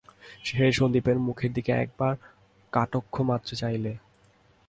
সে সন্দীপের মুখের দিকে একবার কটাক্ষমাত্রে চাইলে।